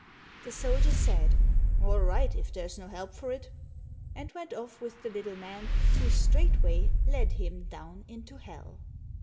The soldier said, "All right, if there is no help for it," and went off with the little man, who straightway led him down into hell.